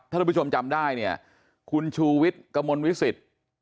แล้วคุณประชวมจำได้คุณชูวิสกมมวิวสิต